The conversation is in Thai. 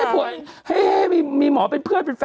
กรมป้องกันแล้วก็บรรเทาสาธารณภัยนะคะ